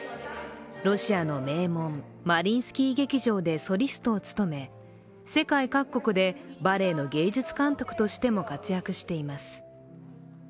ロシアの名門、マリインスキー劇場でソリストを務め、世界各国でバレエの芸術監督としても活躍しています。